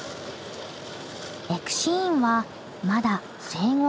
エクシーンはまだ生後７か月。